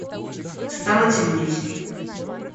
Стало темнеть.